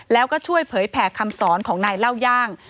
แล้วก็ช่วยเผยแผ่คำสอนของนายเล่าย่าง